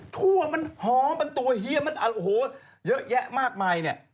ทั่วมันหอมมันตัวเฮียมันโอ้โหเยอะแยะมากมายเนี่ย